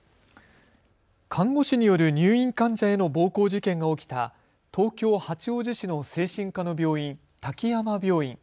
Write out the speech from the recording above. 看護師による入院患者への暴行事件が起きた東京八王子市の精神科の病院、滝山病院。